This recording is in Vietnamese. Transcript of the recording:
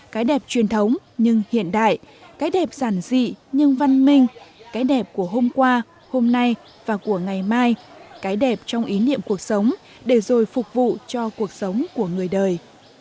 cái đẹp truyền thống nhưng hiện đại cái đẹp giản dị nhưng văn minh cái đẹp của hôm qua hôm nay và của ngày mai cái đẹp trong ý niệm cuộc sống để rồi phục vụ cho cuộc sống của người đời